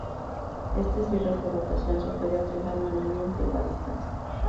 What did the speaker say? Este cierre por rotación se puede accionar manualmente o a distancia.